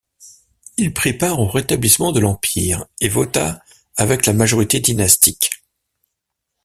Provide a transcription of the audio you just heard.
Il prit part au rétablissement de l'Empire et vota avec la majorité dynastique.